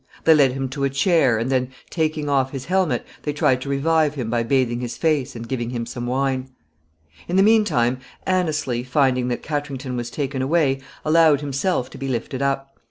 They led him to a chair, and then, taking off his helmet, they tried to revive him by bathing his face and giving him some wine. [Sidenote: Anneslie's request to the king.] In the mean time, Anneslie, finding that Katrington was taken away, allowed himself to be lifted up.